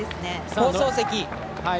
放送席。